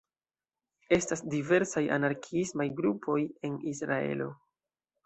Estas diversaj anarkiismaj grupoj en Israelo.